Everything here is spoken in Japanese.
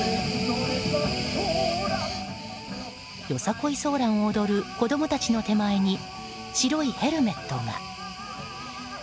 よさこいソーランを踊る子供たちの手前に白いヘルメットが。